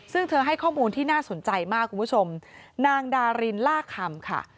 ซึ่งเธอให้ข้อมูลที่น่าสนใจมากคุณผู้ชมนางดารินล่าคำค่ะ